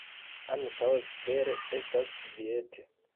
Ankaŭ ekstere estas kviete.